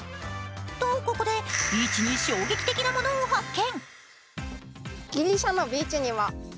とここで、ビーチに衝撃的なものを発見。